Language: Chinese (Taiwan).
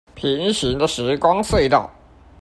平行的時光隧道